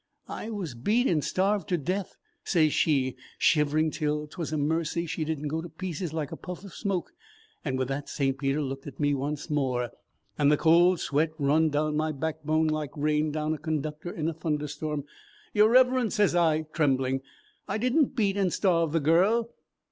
'I was beat and starved to death,' sez she, shivering till 't was a mercy she did n't go to pieces like a puff of smoke. And with that St. Peter looked at me once more, and the cold sweat run down my backbone like rain down a conductor in a thunder storm. 'Your Reverence,' sez I, trembling, 'I did n't beat and starve the girl.'